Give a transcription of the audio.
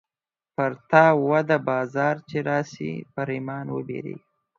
پر تا وده بازار چې راسې ، پر ايمان وبيرېږه.